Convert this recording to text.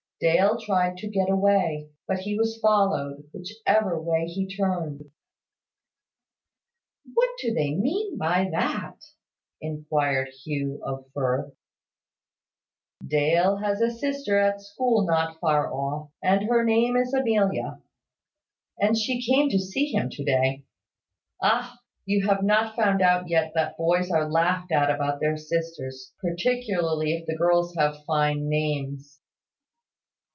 Dale tried to get away, but he was followed, whichever way he turned. "What do they mean by that?" inquired Hugh of Firth. "Dale has a sister at a school not far off, and her name is Amelia; and she came to see him to day. Ah! You have not found out yet that boys are laughed at about their sisters, particularly if the girls have fine names."